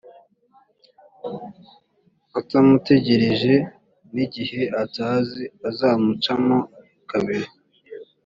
atamutegereje n igihe atazi azamucamo kabiri